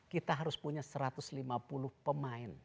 kita harus punya satu ratus lima puluh pemain